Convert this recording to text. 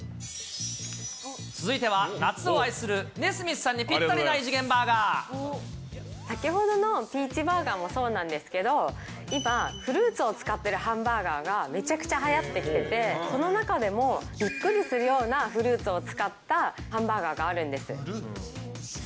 続いては夏を愛するＮＥＳＭＩＴＨさんにぴったりの異次元バーガ先ほどのピーチバーガーもそうなんですけど、今、フルーツを使ってるハンバーガーがめちゃくちゃはやってきていて、その中でも、びっくりするようなフルーツを使ったハンバーガーがあるんです。